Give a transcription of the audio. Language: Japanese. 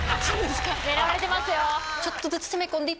狙われてますよ。